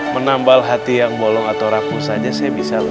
menambal hati yang bolong atau rapuh saja saya bisa lupa